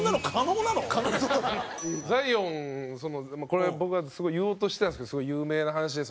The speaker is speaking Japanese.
これ僕がすごい言おうとしてたんですけどすごい有名な話で。